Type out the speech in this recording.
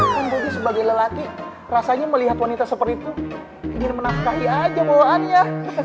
bumbunya sebagai lelaki rasanya melihat wanita seperti itu ingin menafkahi aja bawaannya